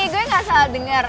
gue gak salah denger